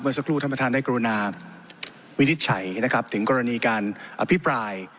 สักครู่ท่านประธานได้กรุณาวินิจฉัยนะครับถึงกรณีการอภิปราย